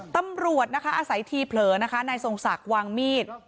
ตำรวจอาศัยที่เผลอในทรงศักดิ์วางมีด